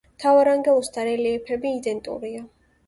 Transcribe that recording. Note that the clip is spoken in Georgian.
მთავარანგელოზთა რელიეფები იდენტურია.